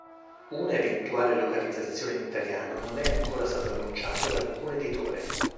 Una eventuale localizzazione in italiano non è ancora stata annunciata da alcun editore.